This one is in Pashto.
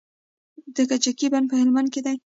د کجکي بند په هلمند کې دی